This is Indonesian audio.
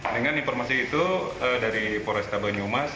dengan informasi itu dari polresta banyumas